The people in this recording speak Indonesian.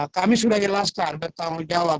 kami sudah jelaskan bertanggung jawab